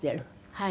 はい。